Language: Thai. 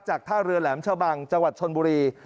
จากท่าเรือแหลมชาวบังจถนบุรี